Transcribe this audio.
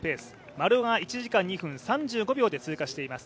丸尾が１時間２分３５秒で通過しています。